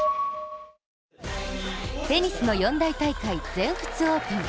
テニスの四大大会、全仏オープン。